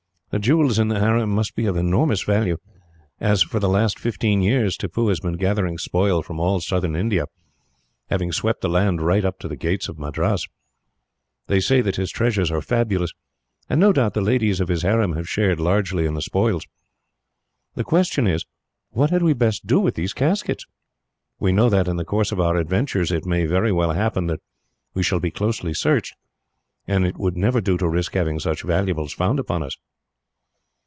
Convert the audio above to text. The jewels in the harem must be of enormous value, as, for the last fifteen years, Tippoo has been gathering spoil from all southern India, having swept the land right up to the gates of Madras. They say that his treasures are fabulous, and no doubt the ladies of his harem have shared largely in the spoils. The question is, what had we best do with these caskets? We know that, in the course of our adventures, it may very well happen that we shall be closely searched, and it would never do to risk having such valuables found upon us."